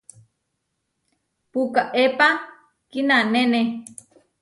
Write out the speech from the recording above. Pukaépa kinanéne.